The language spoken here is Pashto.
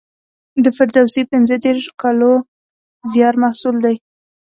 د فردوسي پنځه دېرش کالو زیار محصول دی.